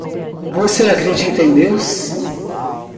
Você acredita em Deus?